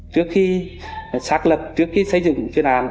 trước khi xác lập trước khi xây dựng chuyên án